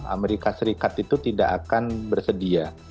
amerika serikat itu tidak akan bersedia